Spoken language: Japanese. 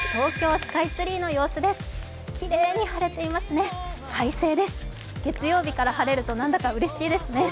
きれいに晴れていますね、快晴です月曜日から晴れるとなんだかうれしいですね。